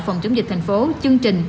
phòng chống dịch thành phố chương trình